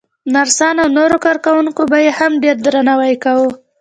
نرسانو او نورو کارکوونکو به يې هم ډېر درناوی کاوه.